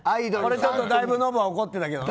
これ、だいぶノブは怒ってたけどね。